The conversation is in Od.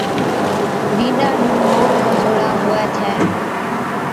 بِينڏا نُون موڙ ٻجھوڙا ھُوي ڇَي